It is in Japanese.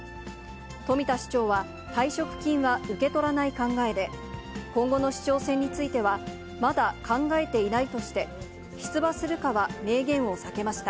冨田市長は、退職金は受け取らない考えで、今後の市長選については、まだ考えていないとして、出馬するかは明言を避けました。